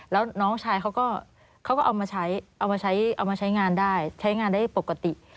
แล้วน้องชายเขาก็เอามาใช้งานได้ใช้งานได้ปกติ